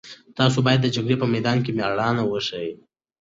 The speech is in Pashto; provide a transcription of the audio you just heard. تاسو باید د جګړې په میدان کې مېړانه وښيئ.